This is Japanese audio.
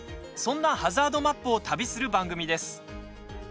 そんなハザードマップを旅する番組です。